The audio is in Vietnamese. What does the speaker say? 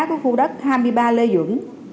của khu đất hai mươi ba lê dưỡng